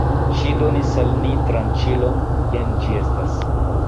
Ŝi donis al ni tranĉilon, jen ĝi estas!